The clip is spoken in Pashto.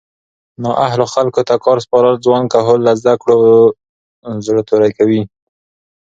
نااهلو خلکو ته کار سپارل ځوان کهول له زده کړو زړه توری کوي